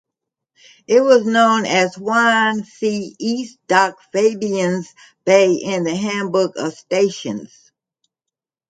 It was known as Swansea East Dock Fabians Bay in the handbook of stations.